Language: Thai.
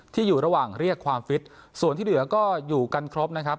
ที่อยู่ระหว่างเรียกความฟิตส่วนที่เหลือก็อยู่กันครบนะครับ